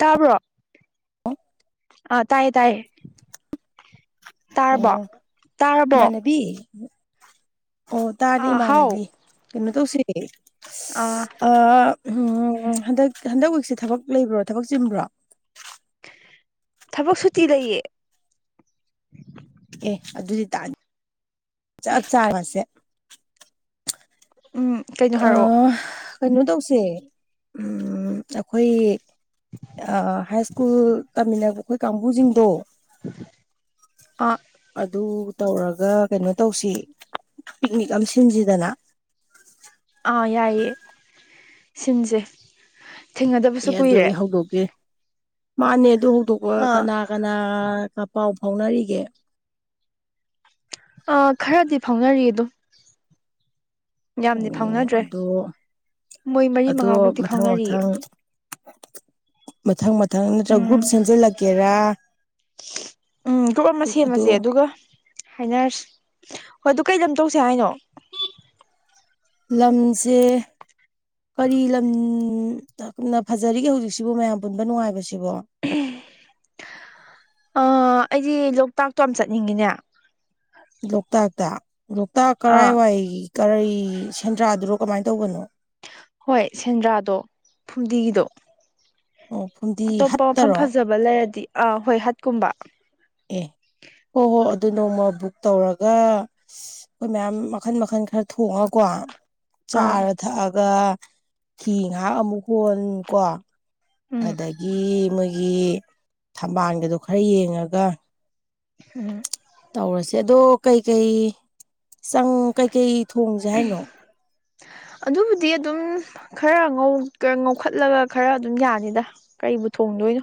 ꯇꯥꯕ꯭ꯔꯣ ꯑꯥ ꯇꯥꯏꯌꯦ ꯇꯥꯏꯌꯦ꯫ ꯇꯥꯔꯕꯣ ꯑꯣ ꯇꯥꯔꯕꯣ꯫ ꯏꯃꯥꯟꯅꯕꯤ ꯑꯣ ꯇꯥꯔꯤ ꯑꯥ ꯃꯥꯥꯟꯅꯕꯤ ꯀꯩꯅꯣ ꯇꯧꯁꯦ꯫ ꯑ ꯎꯝ ꯎꯝ ꯍꯟꯗꯛ ꯍꯟꯗꯛ ꯋꯤꯛꯁꯦ ꯊꯕꯛ ꯂꯩꯕ꯭ꯔꯣ ꯊꯕꯛ ꯆꯤꯟꯕ꯭ꯔꯣ꯫ ꯊꯕꯛ ꯁꯨꯇꯤ ꯂꯩꯌꯦ꯫ ꯑꯦ ꯑꯗꯨꯗꯤ ꯇꯥꯟ ꯆꯥꯞ ꯆꯥꯕꯁꯦ꯫ ꯎꯝ ꯀꯩꯅꯣ ꯑ ꯍꯥꯏꯔꯛꯑꯣ꯫ ꯀꯩꯅꯣ ꯇꯧꯁꯦ ꯎꯝ ꯑꯩꯈꯣꯏ ꯍꯥꯏ ꯁ꯭ꯀꯨꯜ ꯇꯝꯃꯤꯟꯅꯕ ꯑꯩꯈꯣꯏ ꯀꯥꯡꯒꯨꯖꯤꯡꯗꯣ ꯑ ꯑꯗꯨ ꯇꯧꯔꯒ ꯀꯩꯅꯣ ꯇꯧꯁꯤ ꯄꯤꯛꯅꯤꯛ ꯑꯃ ꯁꯤꯟꯖꯤꯗꯅ꯫ ꯑꯥ ꯌꯥꯏꯌꯦ ꯁꯤꯟꯖꯦ꯫ ꯊꯦꯡꯅꯗꯕꯁꯨ ꯑꯦ ꯑꯗꯨ ꯀꯨꯏꯔꯦ꯫ ꯑꯩ ꯍꯧꯗꯣꯛꯀꯦ ꯃꯥꯅꯦ ꯑꯗꯨ ꯍꯧꯗꯣꯛꯄ ꯑꯥ ꯀꯅꯥ ꯀꯅꯥꯒ ꯄꯥꯎ ꯐꯥꯎꯅꯔꯤꯒꯦ꯫ ꯑ ꯈꯔꯗꯤ ꯐꯥꯎꯅꯔꯤ ꯑꯗꯨꯝ ꯫ ꯑꯣ ꯑꯗꯣ ꯃꯣꯏ ꯃꯔꯤ ꯑꯗꯣ ꯃꯉꯥꯃꯨꯛꯇꯤ ꯃꯊꯪ ꯐꯥꯎꯅꯔꯤꯌꯦ ꯃꯊꯪ ꯃꯊꯪ ꯃꯊꯪ ꯅꯠꯇ꯭ꯔꯒ ꯒ꯭ꯔꯨꯞ ꯎꯝ ꯁꯦꯝꯖꯜꯂꯛꯀꯦꯔꯥ ꯎꯝ ꯒ꯭ꯨꯔꯞ ꯑꯃ ꯁꯦꯝꯃꯖꯦ ꯑꯗꯨꯒ ꯍꯥꯏꯅꯔꯁꯤ꯫ ꯍꯣꯏ ꯑꯗꯨ ꯀꯩ ꯂꯝ ꯇꯧꯁꯦ ꯍꯥꯏꯅꯣ꯫ ꯂꯝꯁꯦ ꯀꯔꯤ ꯂꯝ ꯎꯝ ꯑ ꯀꯔꯤꯅ ꯐꯖꯔꯤꯒꯦ ꯍꯧꯖꯤꯛꯁꯤꯕꯨ ꯃꯌꯥꯝ ꯄꯨꯟꯕ ꯅꯨꯡꯉꯥꯏꯕꯁꯤꯕꯣ꯫ ꯑ ꯑꯩꯗꯤ ꯂꯣꯛꯇꯥꯛꯇꯣ ꯌꯥꯝ ꯆꯠꯅꯤꯡꯉꯤꯅꯦ꯫ ꯂꯣꯛꯇꯥꯛꯇ ꯂꯣꯛꯇꯥꯛ ꯑꯥ ꯀꯔꯥꯏꯋꯥꯏ ꯀꯔ ꯁꯦꯟꯗ꯭ꯔꯥꯗꯨꯔꯣ ꯀꯃꯥꯏ ꯇꯧꯕꯅꯣ꯫ ꯍꯣꯏ ꯁꯦꯟꯗ꯭ꯔꯥꯗꯣ ꯐꯨꯝꯗꯤꯒꯤꯗꯣ꯫ ꯑꯣ ꯐꯨꯝꯗꯤ ꯑꯇꯣꯞꯄ ꯃꯐꯝ ꯍꯠꯇꯔꯣ ꯐꯖꯕ ꯂꯩꯔꯗꯤ ꯑꯥ ꯍꯣꯏ ꯍꯠꯀꯨꯝꯕ꯫ ꯑꯦ ꯍꯣꯏ ꯍꯣꯏ ꯑꯗꯨ ꯅꯣꯡꯃ ꯕꯨꯛ ꯇꯧꯔꯒ ꯑꯩꯈꯣꯏ ꯃꯌꯥꯝ ꯃꯈꯟ ꯃꯈꯜ ꯈꯔ ꯊꯣꯡꯉ ꯀꯣ ꯑꯥ ꯆꯥꯔ ꯊꯛꯑꯒ ꯍꯤ ꯉꯍꯥꯛ ꯑꯃꯨꯛ ꯍꯣꯟ ꯀꯣ꯫ ꯎꯝ ꯑꯗꯒꯤ ꯃꯣꯏꯒꯤ ꯊꯝꯕꯥꯜꯒꯗꯣ ꯈꯔ ꯌꯦꯡꯉꯒ ꯎꯝ꯫ ꯇꯧꯔꯁꯦ ꯑꯗꯣ ꯀꯩꯀꯩ ꯆꯪ ꯀꯩꯀꯩ ꯊꯣꯡꯖꯦ ꯍꯥꯏꯅꯣ꯫ [unintelligible] ꯑꯗꯨꯕꯨꯗꯤ ꯑꯗꯨꯝ ꯈꯔ ꯉꯧꯈꯠꯂꯒ ꯈꯔ ꯑꯗꯨꯝ ꯌꯥꯅꯤꯗ ꯀꯔꯤꯕꯨ ꯊꯣꯡ ꯗꯣꯏꯅꯣ꯫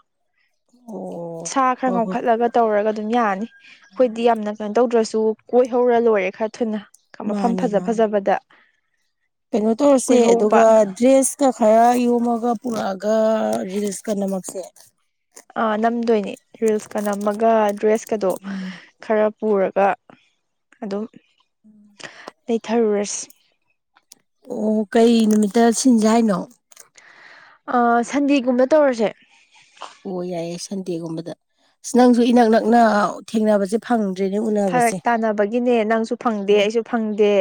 ꯑꯣ ꯁꯥ ꯈꯔ ꯍꯣꯏ ꯍꯣꯏ ꯉꯧꯈꯠꯂꯒ ꯇꯧꯔꯒ ꯑꯗꯨꯝ ꯌꯥꯅꯤ ꯑꯩꯈꯣꯏꯗꯤ ꯌꯥꯝꯅ ꯀꯩꯅꯣ ꯇꯧꯗ꯭ꯔꯁꯨ꯫ ꯇꯨ ꯀꯣꯏꯍꯧꯔ ꯂꯣꯏꯔꯦ ꯈꯔ ꯊꯨꯅ ꯃꯐꯝ ꯃꯥꯅꯤ ꯐꯖ ꯃꯥꯅꯤ ꯐꯖꯕꯗ ꯀꯩꯅꯣ ꯇꯧꯔꯁꯦ ꯀꯣꯏꯍꯧꯕ ꯑꯗꯨꯒ ꯗ꯭ꯔꯦꯁꯀ ꯈꯔ ꯌꯣꯝꯃꯒ ꯄꯨꯔꯛꯑꯒ ꯔꯤꯜꯁ ꯀ ꯅꯃꯛꯁꯦ꯫ ꯑꯥ ꯅꯝꯗꯣꯏꯅꯦ ꯔꯤꯜꯁꯀ ꯅꯝꯃꯒ ꯗ꯭ꯔꯦꯁꯀꯗꯣ ꯎꯝ ꯈꯔ ꯄꯨꯔꯒ ꯑꯗꯨꯝ ꯎꯝ꯫ ꯂꯩꯊꯔꯨꯔꯁꯤ꯫ ꯑꯣ ꯀꯩ ꯅꯨꯃꯤꯠꯇ ꯁꯤꯟꯖꯤ ꯍꯥꯏꯅꯣ꯫ ꯑ ꯁꯟꯗꯦꯒꯨꯝꯕ ꯇꯧꯔꯖꯦ꯫ ꯑꯣ ꯌꯥꯏꯌꯦ ꯁꯟꯗꯦꯒꯨꯝꯕꯗ ꯑ ꯅꯪꯁꯨ ꯏꯅꯛ ꯅꯛꯅ ꯊꯦꯡꯅꯕꯖꯦ ꯐꯪ ꯐꯔꯛ ꯇꯥꯅꯕꯒꯤꯅꯦ ꯅꯪꯁꯨ ꯐꯪꯗꯦ ꯑꯩꯁꯨ ꯐꯪꯗꯦ꯫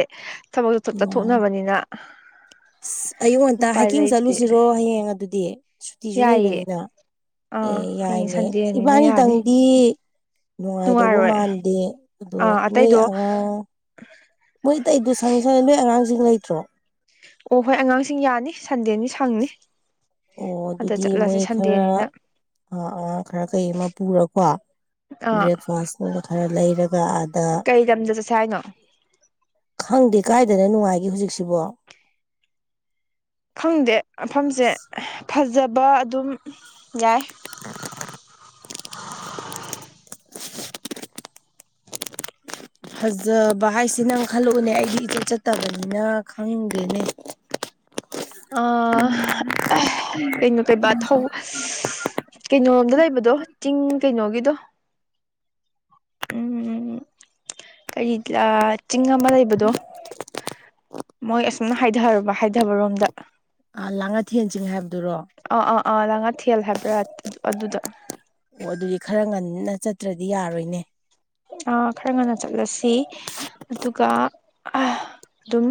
ꯊꯕꯛꯇꯨ ꯃꯥꯅꯤ ꯆꯠꯊꯣꯛꯅꯕꯅꯤꯅ꯫ ꯑꯁ ꯑꯌꯨꯛ ꯉꯟꯇꯥ ꯎꯄꯥꯏ ꯍꯥꯏꯀꯤꯡ ꯂꯩꯇꯦ ꯆꯠꯂꯨꯁꯤꯔꯣ ꯍꯌꯦꯡ ꯑꯗꯨꯗꯤ꯫ ꯁꯨꯇꯤꯁꯨ ꯌꯥꯏꯌꯦ ꯂꯩꯕꯅꯤꯅ ꯑꯥ ꯑꯦ ꯍꯌꯦꯡ ꯌꯥꯏꯅꯦ ꯁꯟꯗꯦꯅꯤꯅ ꯌꯥꯅꯤ ꯏꯕꯥꯅꯤꯇꯪꯗꯤ ꯅꯨꯡꯉꯥꯏꯗꯧꯕ ꯅꯨꯡꯉꯥꯏꯔꯣꯏ ꯃꯥꯟꯗꯦ ꯑꯗꯣ ꯑꯥ ꯅꯣꯏ ꯑꯇꯩꯗꯣ ꯑꯉꯥꯡ ꯃꯣꯏꯇꯩ ꯑꯩꯗꯣ ꯁꯪꯉꯤ ꯁꯪꯉꯤ ꯅꯣꯏ ꯑꯉꯥꯡꯁꯤꯡ ꯂꯩꯇ꯭ꯔꯣ ꯑꯣ ꯍꯣꯏ ꯑꯉꯥꯡꯁꯤꯡ ꯌꯥꯅꯤ ꯁꯟꯗꯦꯅꯤ ꯁꯪꯅꯤ ꯑꯣ ꯑꯗ ꯑꯗꯨꯗꯤ ꯆꯠꯂꯁꯤ ꯃꯣꯏ ꯈꯔ ꯁꯟꯗꯦꯅꯤꯅ ꯑꯉꯥꯡ ꯈꯔ ꯀꯩ ꯑꯃ ꯄꯨꯔꯀꯣ ꯑꯥ ꯕ꯭ꯔꯦꯛꯐꯥꯁ ꯈꯔ ꯈꯔ ꯂꯩꯔꯒ ꯀꯩ ꯂꯝꯗ ꯆꯠꯁꯦ ꯍꯥꯏꯅꯣ ꯈꯪꯗꯦ ꯀꯥꯏꯗꯅ ꯅꯨꯡꯉꯥꯏ ꯃꯥꯒꯤ ꯍꯧꯖꯤꯛꯁꯤꯕꯣ ꯈꯪꯗꯦ ꯃꯐꯝꯁꯦ ꯐꯖꯕ ꯑꯗꯨꯝ ꯌꯥꯏ ꯀ ꯐꯖꯕ ꯍꯥꯏꯁꯤ ꯅꯪ ꯈꯜꯂꯛꯎꯅꯦ ꯑꯩꯁꯨ ꯏꯆꯠ ꯆꯠꯇꯕꯅꯤꯅ ꯈꯪꯗꯦꯅꯦ ꯑ ꯀꯩꯅꯣ ꯀꯕꯥ ꯊ ꯀꯩꯅꯣꯣꯝꯗ ꯂꯩꯕꯗꯣ ꯆꯤꯡ ꯀꯩꯅꯣꯒꯤꯗꯣ ꯎꯝ ꯎꯝ ꯀꯔꯤ ꯆꯤꯡ ꯑꯃ ꯂꯩꯕꯗꯣ ꯃꯣꯏ ꯑꯁꯨꯝꯅ ꯍꯥꯏꯊꯨꯔꯕ ꯍꯥꯏꯊꯕꯔꯣꯝꯗ ꯂꯥꯡ ꯑꯥꯊꯦꯟꯁꯤꯡꯤꯡ ꯍꯥꯏꯕꯗꯨꯔꯣ ꯂꯉꯥꯊꯦꯜ ꯍꯥꯏꯕ꯭ꯔꯥ ꯑꯗꯨꯗ ꯑꯣ ꯑꯗꯨꯗꯤ ꯈꯔ ꯉꯟꯅ ꯆꯠꯇ꯭ꯔꯗꯤ ꯌꯥꯔꯣꯏꯅꯦ ꯈꯔ ꯉꯟꯅ ꯆꯠꯂꯁꯤ ꯑꯗꯨꯒ ꯑꯗꯨꯝ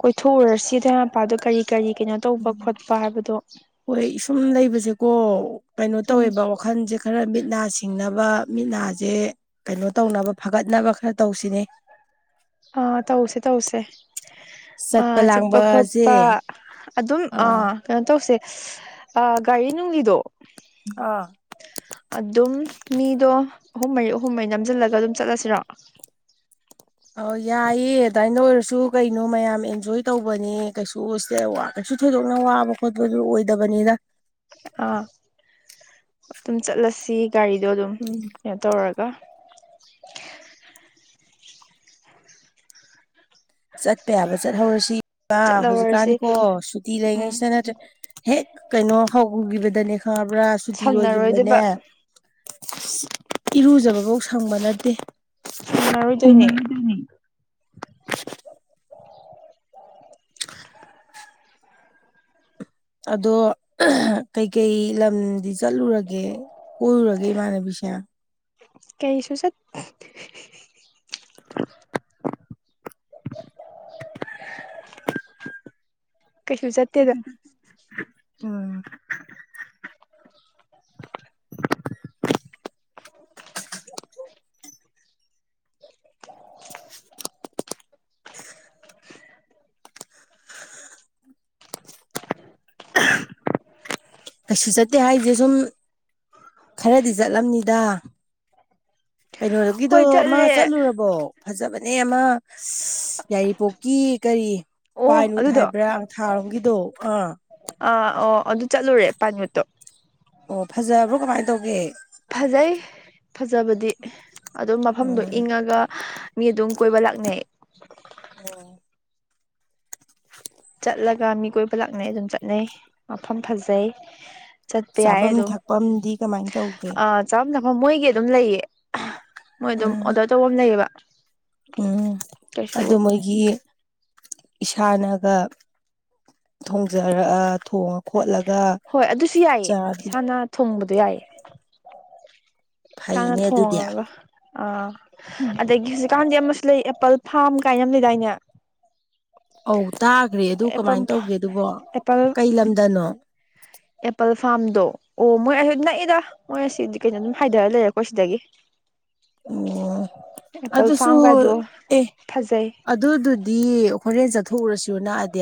ꯀꯣꯏꯊꯣꯛꯎꯔꯁꯤ ꯏꯥꯏ ꯃꯄꯥꯗꯣ ꯀꯔꯤ ꯀꯔꯤ ꯀꯩꯅꯣ ꯇꯧꯕ ꯈꯣꯠꯄ ꯍꯥꯏꯕꯗꯣ ꯍꯣꯏ ꯁꯨꯝ ꯂꯩꯕꯁꯦꯀꯣ ꯀꯩꯅꯣ ꯎꯝ ꯇꯧꯋꯦꯕ ꯋꯥꯈꯜꯁꯦ ꯈꯔ ꯃꯤꯠ ꯅꯥꯁꯤ ꯊꯤꯡꯅꯕ ꯃꯤꯠ ꯅꯥꯁꯦ ꯀꯩꯅꯣ ꯇꯧꯅꯕ ꯐꯒꯠꯅꯕ ꯈꯔ ꯇꯧꯁꯤꯅꯦ ꯑꯥ ꯇꯧꯁꯦ ꯇꯧꯁꯦ ꯑ ꯆꯠꯄ ꯈꯣꯠꯄ ꯑꯗꯨꯝ ꯑꯥ ꯀꯩꯅꯣ ꯇꯧꯁꯦ ꯑ ꯀꯩꯅꯣꯉꯤꯗꯣ ꯑꯥ ꯑꯗꯨꯝ ꯃꯤꯗꯣ ꯑꯍꯨꯝ ꯃꯔꯤ ꯑꯍꯨꯝ ꯃꯩ ꯅꯝꯁꯤꯜꯂꯒ ꯑꯗꯨꯝ ꯆꯠꯂꯁꯤꯔꯣ [unintelligible] ꯀꯩꯁꯨ ꯀꯩꯅꯣ ꯃꯌꯥꯝ ꯑꯦꯟꯖꯣꯏ ꯇꯧꯕꯅꯤ ꯀꯩꯁꯨ ꯀꯩꯁꯨ ꯊꯣꯏꯗꯣꯛꯅ ꯋꯥꯕ ꯈꯣꯠꯄꯗꯨ ꯑꯣꯏꯗꯕ ꯅꯤꯗ ꯑꯥ ꯑꯗꯨꯝ ꯆꯠꯂꯁꯤ ꯒꯥꯔꯤꯗꯣ ꯑꯗꯨꯝ ꯎꯝ ꯀꯩꯅꯣ ꯇꯧꯔꯒ ꯆꯠꯄ ꯌꯥꯕ ꯆꯠꯍꯧꯔꯁꯤꯕ ꯍꯧꯖꯤꯛꯀꯥꯟ ꯆꯠꯍꯧꯔꯁꯤ ꯀꯣ ꯁꯨꯇꯤ ꯎꯝ ꯂꯩꯉꯩꯁꯤꯗ ꯅꯠꯇ꯭ꯔꯦ ꯍꯦꯛ ꯀꯩꯅꯣ ꯍꯧꯈꯤꯕꯗꯅꯦ ꯈꯪꯉꯕ꯭ꯔꯥ ꯁꯨꯇꯤ ꯂꯣꯏꯈꯤꯕꯗꯅꯦ ꯁꯪꯅꯔꯣꯏꯗꯕ ꯏꯔꯨꯖꯕꯐꯧ ꯁꯪꯕ ꯅꯠꯇꯦ ꯁꯪꯅꯔꯣꯏꯗꯣꯏꯅꯦ ꯑꯗꯣ ꯀꯩꯀꯩ ꯂꯝꯗꯤ ꯆꯠꯂꯨꯔꯒꯦ ꯀꯣꯏꯔꯨꯔꯒꯦ ꯏꯃꯥꯟꯅꯕꯤꯁꯦ ꯀꯩꯁꯨ ꯆꯠ ꯀꯩꯁꯨ ꯆꯠꯇꯦꯗ ꯑꯣꯝ ꯀꯩꯁꯨ ꯆꯠꯇꯦ ꯍꯥꯏꯁꯦ ꯁꯨꯝ ꯈꯔꯗꯤ ꯆꯠꯂꯝꯅꯤꯗ ꯀꯩꯅꯣꯗꯨꯒꯤꯗꯣ ꯍꯣꯏ ꯑꯃ ꯆꯠꯂꯦ ꯆꯠꯂꯨꯔꯕꯣ ꯐꯖꯕꯅꯦ ꯑꯃ ꯌꯥꯏꯔꯤꯄꯣꯛꯀꯤ ꯀꯔꯤ ꯑꯣ ꯄꯥꯏꯟꯋꯨꯠ ꯑꯗꯨꯗꯣ ꯍꯥꯏꯕ꯭ꯔꯥ ꯊꯥꯔꯣꯝꯒꯤꯗꯣ ꯑꯥ ꯑꯥ ꯑꯣ ꯑꯗꯨ ꯆꯠꯂꯨꯔꯦ ꯄꯥꯃꯤꯨꯠꯇꯣ ꯑꯣ ꯐꯖꯕ꯭ꯔꯣ ꯀꯃꯥꯏꯅ ꯇꯧꯒꯦ ꯐꯖꯩ ꯐꯖꯕꯗꯤ ꯑꯗꯨ ꯃꯐꯝꯗꯣ ꯎꯝ ꯏꯪꯉꯒ ꯃꯤ ꯑꯗꯨꯝ ꯀꯣꯏꯕ ꯂꯥꯛꯅꯩ ꯆꯠꯂꯒ ꯃꯤ ꯀꯣꯏꯕ ꯂꯥꯛꯅꯩ ꯑꯗꯨꯝ ꯆꯠꯅꯩ ꯃꯐꯝ ꯐꯖꯩ ꯆꯠꯄꯤ ꯌꯥꯌꯦ ꯆꯥꯐꯝ ꯑꯗꯨꯣ ꯊꯛꯐꯝꯗꯤ ꯀꯃꯥꯏꯅ ꯇꯧꯒꯦ ꯑ ꯆꯕ ꯅ ꯑ ꯃꯣꯏꯒꯤ ꯑꯗꯨꯝ ꯂꯩꯌꯦ ꯃꯣꯏ ꯑꯗꯨꯝ ꯎꯝ ꯑꯣꯗꯔ ꯇꯧꯕ ꯑꯃ ꯂꯩꯌꯦꯕ ꯎꯝ ꯀꯩꯁꯨ ꯑꯗꯨ ꯃꯒꯤ ꯏꯁꯥꯅꯒ ꯊꯣꯡꯖꯔꯑ ꯊꯣꯡꯉ ꯈꯣꯠꯂꯒ ꯍꯣꯏ ꯑꯗꯨꯁꯨ ꯌꯥꯏꯌꯦ ꯆꯥꯔꯗꯤ ꯏꯁꯥꯅ ꯊꯣꯡꯕꯗꯣ ꯌꯥꯏꯌꯦ ꯏꯁꯥꯅ ꯐꯩꯅꯦ ꯑꯗꯨꯗꯤ ꯊꯣꯡꯉꯒ ꯑꯥ ꯎꯝ ꯑꯗꯒꯤ ꯍꯧꯖꯤꯛ ꯀꯥꯟꯗꯦ ꯑꯃꯁꯨ ꯂꯩ ꯑꯦꯄꯜ ꯐꯥꯔꯝ ꯀꯥꯏꯅ ꯑꯃ ꯂꯩꯗꯥꯏꯅꯦ ꯑꯧ ꯇꯥꯈ꯭ꯔꯦ ꯑꯗꯨ ꯑꯦꯄꯜ ꯀꯃꯥꯏꯅ ꯇꯧꯒꯦ ꯑꯗꯨꯕꯣ ꯑꯦꯄꯜ ꯀꯩ ꯂꯝꯗꯅꯣ ꯑꯦꯄꯜ ꯐꯥꯔꯝꯗꯣ ꯑꯣ ꯃꯣꯏ ꯑꯁꯤ ꯅꯛꯏꯗ ꯃꯣꯏ ꯑꯁꯤꯗꯤ ꯀꯩꯅꯣ ꯑꯗꯨꯝ ꯍꯥꯏꯊꯔ ꯂꯩꯔꯦꯀꯣ ꯁꯤꯗꯒꯤ ꯑꯣ ꯑꯦꯄꯜ ꯑꯗꯨꯁꯨ ꯐꯥꯔꯝꯒꯗꯣ ꯑꯦ ꯐꯖꯩ ꯑꯗꯨꯗꯨꯗꯤ ꯍꯣꯔꯦꯟ ꯊꯨꯔꯁꯨ ꯅꯛꯑꯗꯦ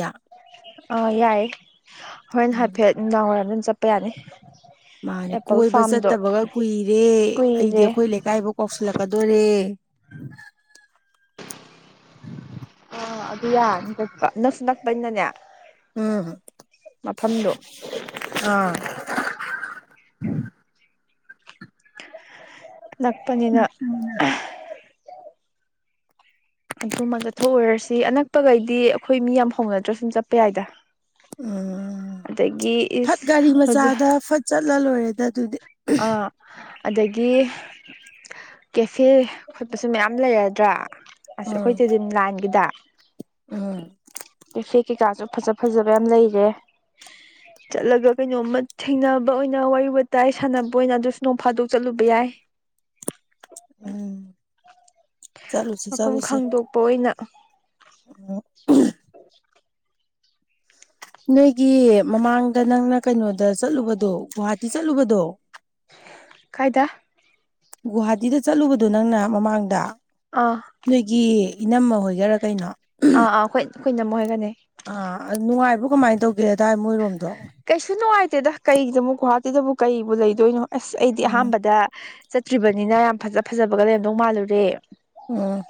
ꯑꯥ ꯌꯥꯏꯌꯦ ꯍꯣꯔ ꯎꯝ ꯍꯥꯏꯐꯦꯠ ꯅꯨꯡꯗꯥꯡ ꯋꯥꯏꯔꯝ ꯑꯗꯨꯝ ꯆꯠꯄ ꯌꯥꯅꯤ ꯃꯥꯅꯦ ꯑꯦꯄꯜ ꯀꯣꯏꯕ ꯐꯥꯔꯝꯗꯣ ꯆꯠꯇꯕꯒ ꯀꯨꯏꯔꯦ ꯑꯩꯗꯤ ꯀꯨꯏꯔꯦ ꯑꯩꯈꯣꯏ ꯂꯩꯀꯥꯏꯐꯥꯎ ꯀꯥꯎꯁꯤꯜꯂꯛꯀꯗꯔꯦ [unintelligible] ꯑꯥ ꯑꯗꯨ ꯌꯥꯔꯅꯤ ꯆꯠꯄ ꯅꯁꯨ ꯅꯛꯄꯩꯅꯅꯦ ꯎꯝ ꯑꯥ [unintelligible] ꯅꯛꯄꯅꯤꯅ ꯑꯗꯨꯃ ꯆꯠꯊꯣꯛꯎꯔꯁꯤ ꯑꯅꯛꯄꯈꯩꯗꯤ ꯑꯩꯈꯣꯏ ꯃꯤ ꯌꯥꯝ ꯍꯧꯅꯗ꯭ꯔꯥ ꯁꯨꯝ ꯆꯠꯄ ꯌꯥꯏꯗ ꯎꯝ ꯑꯗꯒꯤ ꯐꯠ ꯏꯁ ꯒꯥꯔꯤ ꯍꯧꯖꯤꯛ ꯃꯆꯥꯗ ꯐꯠ ꯆꯠꯂ ꯂꯣꯏꯔꯦ ꯑꯗꯨꯗꯤ ꯑꯥ ꯑꯗꯒꯤ ꯀꯦꯐꯦ ꯈꯣꯠꯄꯁꯨ ꯃꯌꯥꯝ ꯂꯩꯔꯗ꯭ꯔꯥ ꯑꯁ ꯎꯝ ꯑꯩꯈꯣꯏꯗꯤ ꯑꯗꯨꯝ ꯂꯥꯟꯒꯤꯗ ꯎꯝ ꯀꯩꯐꯦꯛ ꯀꯩꯀꯥꯁꯨ ꯐꯖ ꯐꯖꯕ ꯌꯥꯝ ꯂꯩꯔꯦ ꯆꯠꯂꯒ ꯀꯩꯅꯣꯝꯃ ꯊꯦꯡꯅꯕ ꯑꯣꯏꯅ ꯋꯥꯔꯤ ꯋꯥ ꯇ ꯑꯩ ꯁꯥꯟꯅꯕ ꯑꯣꯏꯅ ꯑꯗꯨꯁꯨ ꯅꯣꯡ ꯐꯥꯗꯣꯛ ꯆꯠꯂꯨꯕ ꯌꯥꯏ ꯎꯝ ꯆꯠꯂꯨꯁꯦ ꯃꯐꯝ ꯈꯪꯗꯣꯛꯄ ꯑꯣꯏꯅ ꯑ [unintelligible] ꯅꯣꯏꯒꯤ ꯃꯃꯥꯡꯗ ꯅꯪꯅ ꯀꯩꯅꯣꯗ ꯆꯠꯂꯨꯕꯗꯣ ꯒꯨꯍꯥꯇꯤ ꯆꯠꯂꯨꯕꯗꯣ ꯀꯥꯏꯗ ꯒꯨꯍꯥꯇꯤꯗ ꯆꯠꯂꯨꯕꯗꯣ ꯅꯪꯅ ꯃꯃꯥꯡꯗ ꯑꯥ ꯑꯥ ꯅꯣꯏꯒꯤ ꯏꯅꯝꯃ ꯍꯣꯏꯒꯔꯥ ꯀꯩꯅꯣ ꯑꯥ ꯑꯩꯈꯣꯏ ꯑꯩꯈꯣꯏ ꯅꯝ ꯑꯣꯏꯒꯅꯤ ꯑꯥ ꯅꯨꯡꯉꯥꯏꯕ ꯀꯃꯥꯏꯅ ꯇꯧꯒꯦꯗꯥꯏ ꯃꯣꯏꯔꯣꯝꯗꯣ ꯀꯩꯁꯨ ꯅꯨꯡꯉꯥꯏꯇꯦꯗ ꯀꯩꯗꯕꯨ ꯒꯨꯍꯥꯇꯤꯗꯕꯨ ꯀꯩꯨ ꯂꯩꯗꯣꯏꯅꯣ ꯑꯁ ꯑꯩꯗꯤ ꯎꯝ ꯑꯍꯥꯟꯕꯗ ꯆꯠꯇ꯭ꯔꯤꯕꯅꯤꯅ ꯌꯥꯝ ꯐꯖ ꯐꯖꯕꯒ ꯂꯩꯔꯝꯗꯧ ꯃꯥꯜꯂꯨꯔꯦ ꯑ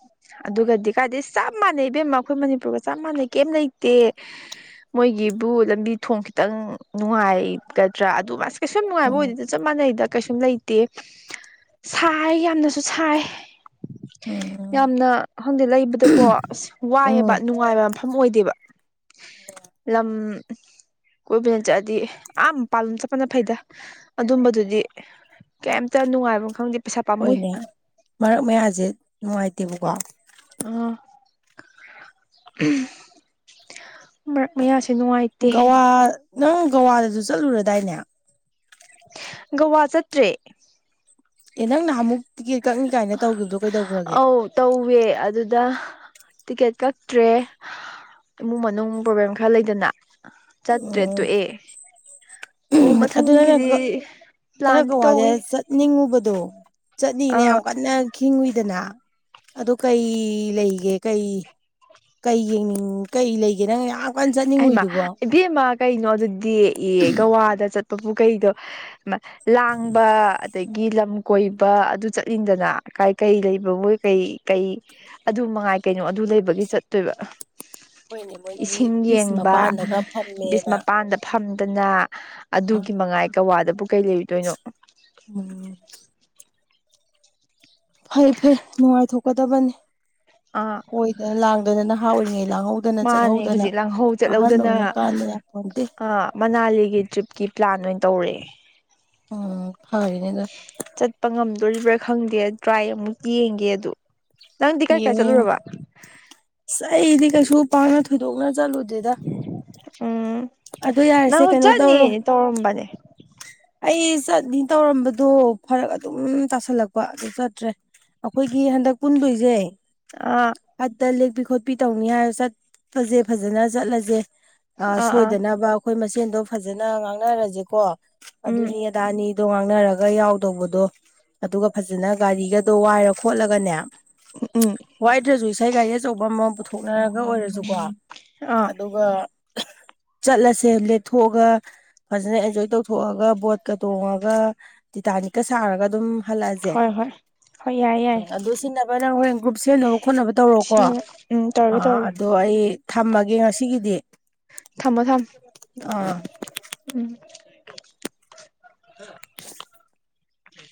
ꯑꯗꯨꯒꯗꯤ ꯀꯥꯏꯗꯗꯤ ꯆꯞ ꯃꯥꯟꯅꯩ ꯏꯕꯦꯝꯃ ꯑꯩꯈꯣꯏ ꯃꯅꯤꯄꯨꯔꯒ ꯆꯞ ꯃꯥꯟꯅꯩ ꯀꯩꯝ ꯂꯩꯇꯦ ꯃꯣꯏꯒꯤꯕꯨ ꯂꯝꯕꯤ ꯊꯣꯡꯈꯤ ꯈꯤꯇꯪ ꯅꯨꯡꯉꯥꯏꯒꯗ꯭ꯔꯥ ꯑꯗꯨ ꯃꯥꯁ ꯀꯩꯁꯨꯨꯝ ꯅꯨꯡꯉꯥꯏꯕ ꯎꯝ ꯑꯣꯏꯗꯦꯗ ꯆꯞ ꯃꯥꯟꯅꯩꯗ ꯀꯩꯁꯨ ꯂꯩꯇꯦ ꯁꯥꯏ ꯌꯥꯝꯅꯁꯨ ꯁꯥꯏ ꯎꯝ ꯌꯥꯝꯅ ꯍꯪꯗꯛ ꯂꯩꯕꯗꯀꯣ ꯑꯁ ꯋꯥꯏꯑꯦꯕ ꯎꯝ ꯅꯨꯡꯉꯥꯏꯕ ꯃꯐꯝ ꯑꯣꯏꯗꯦꯕ ꯂꯝ ꯀꯣꯏꯕꯅ ꯆꯠꯂꯗꯤ ꯑꯥ ꯄꯥꯂꯨꯝ ꯆꯠꯄꯅ ꯐꯩꯗ ꯑꯗꯨꯝꯕꯗꯨꯗꯤ ꯀꯩꯝꯇ ꯅꯨꯡꯉꯥꯏꯕ ꯈꯪꯗꯦ ꯄꯩꯁꯥ ꯄꯥꯝꯃꯨꯏ ꯍꯣꯏꯅꯦ ꯃꯔꯛ ꯃꯌꯥꯁꯦ ꯅꯨꯡꯉꯥꯏꯇꯦꯕꯀꯣ ꯑꯣ ꯃꯔꯛ ꯃꯌꯥꯁꯦ ꯅꯨꯡꯉꯥꯏꯇꯦ ꯒꯋꯥ ꯅꯪ ꯒꯋꯥꯗꯁꯨ ꯆꯠꯂꯨꯔꯗꯥꯏꯅꯦ ꯒꯋꯥ ꯆꯠꯇ꯭ꯔꯦ ꯑꯦ ꯅꯪ ꯅꯍꯥꯟꯃꯨꯛ ꯇꯤꯀꯦꯠ ꯀꯛꯅꯤ ꯀꯥꯏꯅ ꯇꯧꯈꯤꯕꯗꯣ ꯀꯩꯗꯧꯈ꯭ꯔꯒꯦ ꯑ ꯇꯧꯋꯦ ꯑꯗꯨꯗ ꯇꯤꯛꯀꯦꯠ ꯀꯛꯇ꯭ꯔꯦ ꯏꯃꯨꯡ ꯃꯅꯨꯡ ꯄ꯭ꯔꯣꯕ꯭ꯂꯦꯝ ꯈꯔ ꯂꯩꯗꯅ ꯆꯠ꯭ꯔꯦ ꯇꯣꯛ ꯑꯣ ꯑꯦ ꯑꯗꯨ ꯅ ꯅꯅ ꯄ꯭ꯂꯥꯟꯗꯤ ꯀꯋꯥꯗ ꯇꯧꯋꯤ ꯆꯠꯅꯤꯡꯉꯕꯗ ꯑꯗꯣ ꯆꯠꯅꯤꯡꯅ ꯑꯥ ꯌꯥꯝ ꯀꯟꯅ ꯈꯤꯡꯉꯨꯏ ꯗꯅ ꯑꯗꯨ ꯀꯩ ꯂꯩꯒꯦ ꯀꯩ ꯀꯩ ꯌꯦꯡꯅꯤꯡ ꯀꯩ ꯂꯩꯒꯦ ꯅꯪ ꯀꯟꯅ ꯑꯩꯃ ꯆꯠꯅꯤꯡꯉꯨꯏꯗꯨꯕꯣ ꯏꯕꯦꯝꯃ ꯀꯩꯅꯣ ꯑꯗꯨꯗꯤ ꯑꯦ ꯒꯋꯥꯗ ꯆ ꯄꯨꯄꯨꯀꯩꯗꯣ ꯂꯥꯡꯕ ꯑꯗꯒꯤ ꯂꯝ ꯀꯣꯏꯕ ꯑꯗꯨ ꯆꯠꯅꯤꯡꯗꯅ ꯀꯥꯏ ꯀꯩ ꯂꯩꯕꯒꯣꯏ ꯀꯩ ꯀꯩ ꯑꯗꯨ ꯃꯉꯥꯏ ꯀꯩꯅꯣ ꯑꯗꯨ ꯂꯩꯕꯒꯤ ꯆꯠꯇꯣꯏꯕ ꯍꯅꯦ ꯃꯣꯏꯗꯤ ꯀꯔꯤꯁꯃ ꯕꯤ ꯃꯄꯗ ꯐꯗꯅ ꯑꯗꯨ ꯑꯥ ꯃꯉꯥꯏ ꯀꯋꯥꯗꯕꯨ ꯀꯩ ꯂꯩꯔꯨꯗꯣꯏꯅꯣ ꯎꯝ ꯐꯩ ꯐꯩ ꯅꯨꯡꯉꯥꯏꯊꯣꯛꯀꯗꯕꯅꯤ ꯑꯥ ꯍꯣꯏꯗꯅ ꯂꯥꯡꯗꯅ ꯅꯍꯥ ꯑꯣꯏꯔꯤꯉꯩ ꯂꯥꯡꯍꯧꯗꯅ ꯃꯥꯅꯦ ꯆꯠꯍꯧꯗꯅ ꯑꯍꯟ ꯑꯣꯏꯀꯥꯟꯗ ꯑ ꯃꯅꯥꯂꯤꯒꯤ ꯇ꯭ꯔꯤꯞꯀꯤ ꯄ꯭ꯂꯥꯟ ꯑꯣꯏꯅ ꯇꯧꯔꯦ ꯎꯝ ꯍꯅꯦꯗ ꯗꯣꯔꯤꯕ꯭ꯔꯥ ꯈꯪꯗꯦ ꯇ꯭ꯔꯥꯏ ꯑꯃꯨꯛ ꯌꯦꯡꯒꯦ ꯑꯗꯣ ꯏ ꯁꯥꯏꯗꯤ ꯀꯩꯁꯨ ꯄꯥꯅ ꯊꯣꯏꯗꯣꯛꯅ ꯆꯠꯂꯨꯗꯦꯗ ꯎꯝ ꯑꯗꯣ ꯅꯅꯥ ꯌꯥꯔꯦꯁꯦ ꯀꯩꯅꯣ ꯇꯧꯔꯣ ꯍꯨꯖꯅꯤ ꯇꯧꯔꯝꯕꯅꯦ ꯑ ꯇꯧꯔꯝꯕꯗꯣ ꯐꯔꯛ ꯑꯗꯨꯝ ꯇꯥꯁꯜꯂꯛꯄ ꯑꯗꯨ ꯆꯠꯇ꯭ꯔꯦ ꯑꯩꯈꯣꯏꯒꯤ ꯍꯟꯗꯛ ꯄꯨꯟꯗꯣꯏꯁꯦ ꯑꯥ ꯐꯠꯇ ꯂꯦꯛꯄꯤ ꯈꯣꯠꯄꯤ ꯇꯧꯅꯤ ꯍꯥꯏꯔ ꯆꯠꯄꯁꯦ ꯐꯖꯅ ꯆꯠꯂꯁꯦ ꯑꯥ ꯑꯥ ꯁꯣꯏꯗꯅꯕ ꯑꯩꯈꯣꯏ ꯃꯁꯦꯟꯗꯣ ꯐꯖꯅ ꯉꯥꯡꯅꯔꯁꯦꯀꯣ ꯎꯝ ꯑꯗꯨꯅ ꯑꯗꯥꯅꯤ ꯑꯗꯣ ꯉꯥꯡꯅꯔꯒ ꯌꯥꯎꯗꯧꯕꯗꯣ ꯑꯗꯨꯒ ꯐꯖꯅ ꯒꯥꯔꯤꯒꯗꯣ ꯋꯥꯏꯔ ꯈꯣꯠꯂꯒꯅꯦ ꯎꯝ ꯋꯥꯏꯗ꯭ꯔꯁꯨ ꯏꯁꯩ ꯒꯥꯔꯤ ꯑꯆꯧꯕ ꯑꯃꯃꯝ ꯄꯨꯊꯣꯛꯅꯔꯒ ꯑꯣꯏꯔꯁꯨꯀꯣ ꯑꯥ ꯑꯗꯨꯒ ꯆꯠꯂꯁꯦ ꯂꯦꯞꯊꯣꯛꯑꯒ ꯐꯖꯅ ꯑꯦꯟꯖꯣꯏ ꯇꯧ ꯊꯣꯛꯑꯒ ꯕꯣꯠꯀ ꯇꯣꯡꯉꯒ ꯇꯤꯇꯥꯅꯤꯛꯀ ꯁꯥꯔꯒ ꯑꯗꯨꯝ ꯍꯜꯂꯛꯑꯁꯦ ꯍꯣꯏ ꯍꯣꯏ ꯍꯣꯏ ꯌꯥꯏ ꯌꯥꯏ ꯎꯝ ꯑꯗꯨ ꯁꯤꯖꯤꯟꯅꯕ ꯅꯪ ꯍꯣꯔꯦꯟ ꯒ꯭ꯔꯨꯞ ꯁꯦꯝꯅꯕ ꯈꯣꯠꯅꯕ ꯇꯧꯔꯣꯀꯣ ꯁꯤ ꯎꯝ ꯇꯧꯔꯒꯦ ꯑꯥ ꯇꯧꯔꯒꯦ ꯑꯗꯣ ꯑꯩ ꯊꯝꯃꯒꯦ ꯉꯁꯤꯒꯤꯗꯤ ꯊꯝꯃꯣ ꯊꯝ ꯑꯥ ꯎꯝ ꯎꯝ